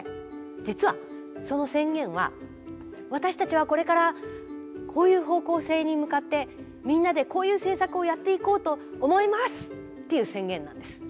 実はその宣言は私たちはこれからこういう方向性に向かってみんなでこういう政策をやっていこうと思いますっていう宣言なんです。